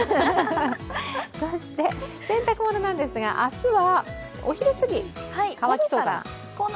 そして、洗濯物なんですが明日はお昼過ぎ、乾きそうかな。